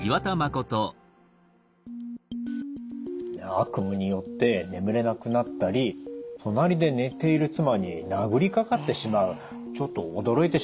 悪夢によって眠れなくなったり隣で寝ている妻に殴りかかってしまうちょっと驚いてしまうようなケースでしたね。